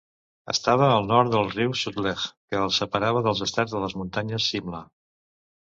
Estava al nord del riu Sutlej que el separava dels estats de les muntanyes Simla.